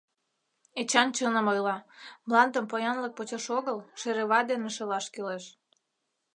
— Эчан чыным ойла, мландым поянлык почеш огыл, шерева дене шелаш кӱлеш.